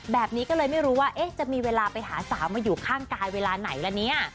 แบบนี้ก็เลยไม่รู้ว่าจะมีเวลาไปหาสาวมาอยู่ข้างกายเวลาไหนละเนี่ย